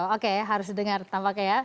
oke harus didengar tampaknya ya